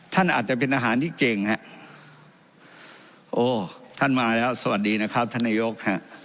ท่านอาจจะเป็นอาหารที่เก่งฮะโอ้ท่านมาแล้วสวัสดีนะครับท่านนายกฮะ